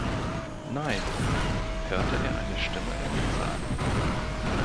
„Nein,“ hörte er eine Stimme im Wind sagen.